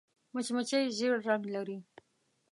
مچمچۍ ژیړ رنګ لري